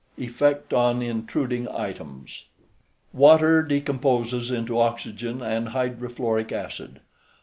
EFFECT ON INTRUDING ITEMS Water decomposes into oxygen and hydrofluoric acid.